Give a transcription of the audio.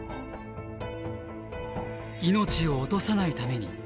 命を落とさないために。